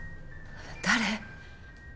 誰？